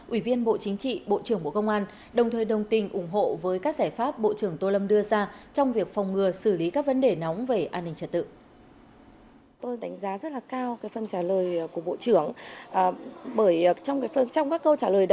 ủy viên bộ chính trị bộ trưởng bộ công an đồng thời đồng tình ủng hộ với các giải pháp bộ trưởng tô lâm đưa ra trong việc phòng ngừa xử lý các vấn đề nóng về an ninh trật tự